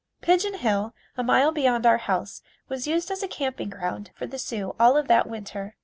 Pigeon Hill, a mile beyond our house was used as a camping ground for the Sioux all of that winter.